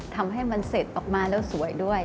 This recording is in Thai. ทำให้มันเสร็จออกมาแล้วสวยด้วย